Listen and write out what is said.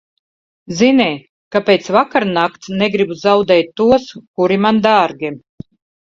Zini, ka pēc vakarnakts negribu zaudēt tos, kuri man dārgi.